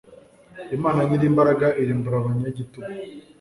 imana nyirimbaraga irimbura abanyagitugu